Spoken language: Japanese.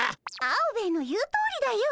アオベエの言うとおりだよ。